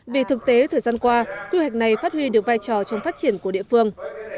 vì thực tế thời gian qua quy hoạch này phát huy được vai trò trong phát triển của địa phương